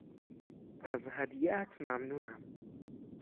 از هدیهات ممنونم.